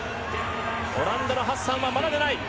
オランダのハッサンまだ出ない。